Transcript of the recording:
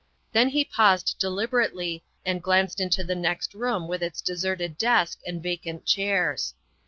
Then he paused deliberately and glanced into the next room with its deserted desk and vacant chairs.